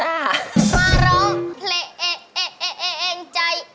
มาร้องเพลงใจ